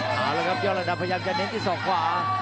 หาแล้วครับย่อหลังดับพยายามจะเน้นที่๒ขวา